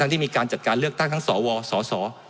ที่มีการจัดการเลือกตั้งทั้งสวสส